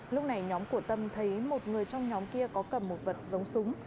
lúc này nhóm của tâm thấy một người trong nhóm kia có cầm một vật giống súng